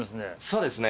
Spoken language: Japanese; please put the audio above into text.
そうですね